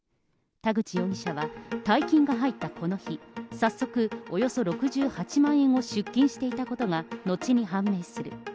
田口容疑者は、大金が入ったこの日、早速、およそ６８万円を出金していたことが後に判明する。